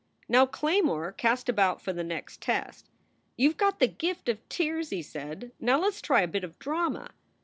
Now Claymore cast about for the next test. "You ve got the gift of tears," he said. "Now let s try a bit of drama!